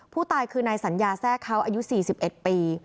ผู้ตายคือนายสัญญาแทรกเขาอายุ๔๑ปี